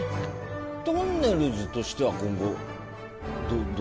とんねるずとしては今後どうなんですか？